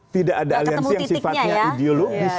tidak ada aliansi yang sifatnya ideologis